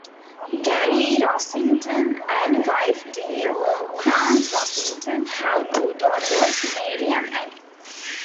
Gary Rossington and wife Dale Krantz-Rossington have two daughters, Mary and Annie.